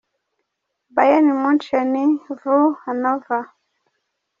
h Bayern München Vs Hannover .